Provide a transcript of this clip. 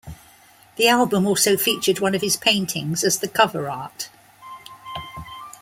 The album also featured one of his paintings as the cover art.